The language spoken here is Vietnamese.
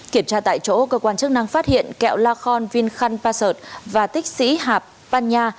kiểm tra tại chỗ cơ quan chức năng phát hiện kẹo la khon vinham pakert và tích sĩ hạp ban nha